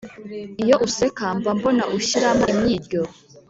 Iyo useka mbambona ushyiramo imyiryo